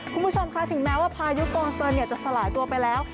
คุณผู้ชมค่ะถึงแม้ว่าพายุกองเซินจะสลายตัวไปแล้ว